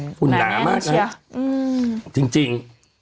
หุ่นหนามากเลยจริง